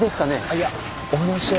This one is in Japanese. いやお話を。